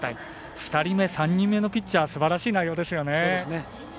２人目、３人目のピッチャーすばらしい内容ですよね。